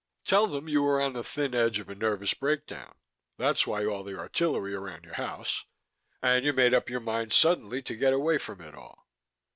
Tell them you were on the thin edge of a nervous breakdown that's why all the artillery around your house and you made up your mind suddenly to get away from it all.